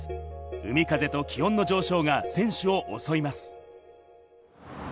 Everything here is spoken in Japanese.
海風と気温の上昇が選手を襲います。